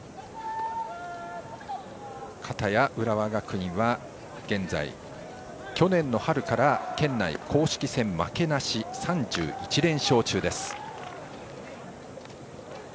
かたや浦和学院は現在、去年の春から県内公式戦負けなし３１連勝中です。